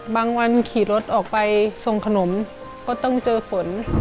วันขี่รถออกไปส่งขนมก็ต้องเจอฝน